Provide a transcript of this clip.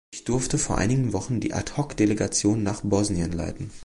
Ich durfte vor einigen Wochen die Ad-hoc-Delegation nach Bosnien leiten.